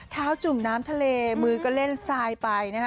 เท้าจุ่มน้ำทะเลมือกระเล่นทรายไป